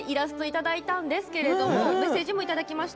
メッセージもいただきました。